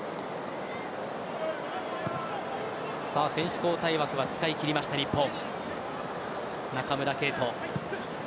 選手交代枠は使い切りました日本。